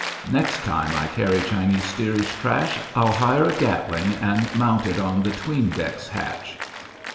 Next time I carry Chinese steerage trash I'll hire a Gatling and mount it on the 'tween decks hatch.